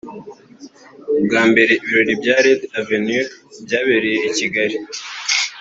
Bwa mbere ibirori bya Red Avenue byabereye i Kigali